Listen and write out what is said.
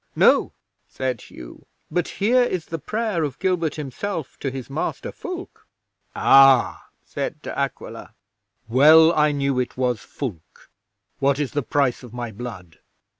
'"No," said Hugh. "But here is the prayer of Gilbert himself to his master Fulke." '"Ah," said De Aquila. "Well I knew it was Fulke. What is the price of my blood?"